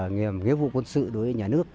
nhiệm vụ quân sự đối với nhà nước